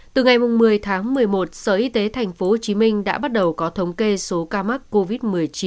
từ ngày một mươi tháng một mươi một sở y tế tp hcm đã bắt đầu có thống kê số ca mắc covid một mươi chín